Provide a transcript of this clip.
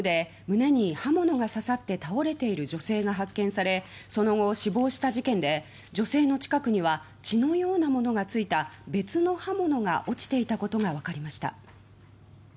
名古屋市内の駅のホームで胸に刃物が刺さって倒れている女性が発見されその後死亡した事件で女性の近くには血のようなものが付いた別の刃物が落ちていたことがわかりました。